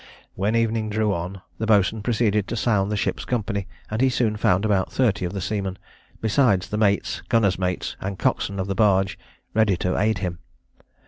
When evening drew on, the boatswain proceeded to sound the ship's company, and he soon found about thirty of the seamen, besides the mates, gunner's mates, and cockswain of the barge, ready to aid him.